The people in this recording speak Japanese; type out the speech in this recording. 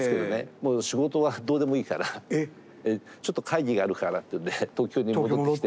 もう仕事はどうでもいいからちょっと会議があるからっていうんで東京に戻ってきて。